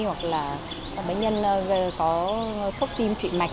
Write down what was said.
hoặc là bệnh nhân có sốc tim trụy mạch